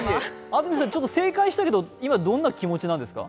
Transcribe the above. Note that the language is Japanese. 安住さん正解したけど、今どんな気持ちなんですか？